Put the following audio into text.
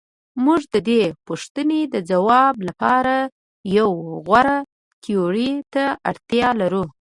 موږ د دې پوښتنې د ځواب لپاره یوې غوره تیورۍ ته اړتیا لرو.